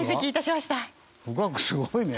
すごいね。